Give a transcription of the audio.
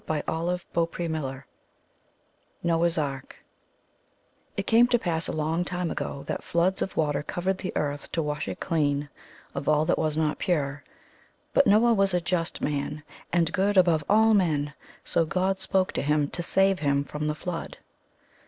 294 I N THE NURSERY NOAH^S ARK It came to pass a long time ago, that floods of water covered the earth to wash it clean of all that was not pure. But Noah was a just man and good above all men; so God spoke to him to save him from the flood.